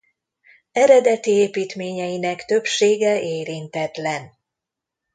Eredeti építményeinek többsége érintetlen.